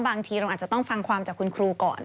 บางทีเราอาจจะต้องฟังความจากคุณครูก่อน